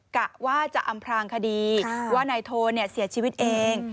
กะว่าจะอำพลางคดีว่านายโทนเสียชีวิตเอง